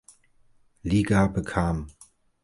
Liga bekam.